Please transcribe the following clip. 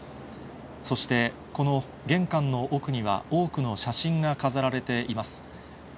そしてこの玄関の奥には、多くの写真が飾られています。